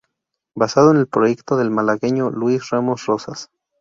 Basado en el proyecto del malagueño Luis Ramos Rosas.